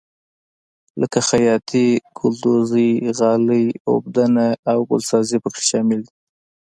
لکه خیاطي ګلدوزي غالۍ اوبدنه او ګلسازي پکې شامل دي.